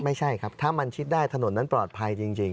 ไม่ใช่ครับถ้ามันชิดได้ถนนนั้นปลอดภัยจริง